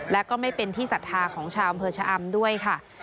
และก็ไม่เป็นที่ศรัทธาของชาวอำเภอชะอำด้วยค่ะ